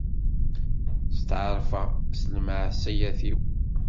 Setɛerfeɣ s lmeɛṣiyat-iw.